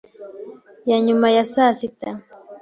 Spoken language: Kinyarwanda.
ya nyuma ya saa sita.